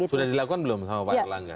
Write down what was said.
sudah dilakukan belum sama pak erlangga